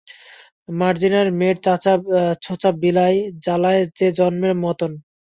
মর্জিনার মায়ের ছোচা বিলই, জ্বালায় যে জম্মের মতোন।